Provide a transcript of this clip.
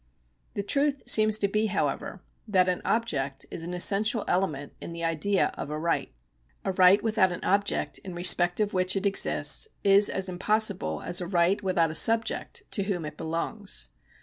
The truth seems to be, however, that an object is an essential element in the idea of a right. A right without an object in respect of which it exists is as impossible as a right without a subject to whom it belongs.